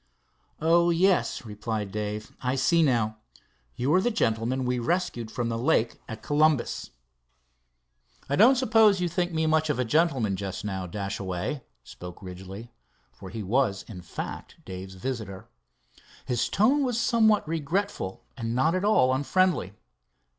"Oh, yes," replied Dave, "I see now. You are the gentleman we rescued from the lake at Columbus." "I don't suppose you think me much of a gentleman just now, Dashaway," spoke Ridgely, for, he was, in fact Dave's visitor. His tone was somewhat regretful, and not at all unfriendly.